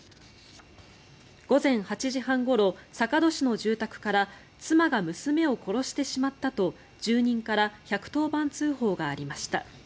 午前８時半ごろ坂戸市の住宅から妻が娘を殺してしまったと住人から１１０番通報がありました。